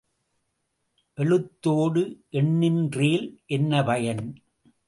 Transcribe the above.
எழுத்தோடு எண்ணின்றேல் என்ன பயன்?